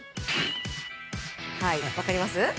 分かります？